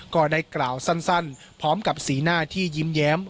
ก็ได้กล่าวสั้นพร้อมกับสีหน้าที่ยิ้มแย้ม